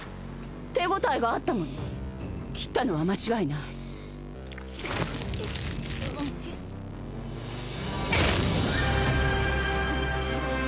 手応えがあったもの切ったのは間違いないうっ！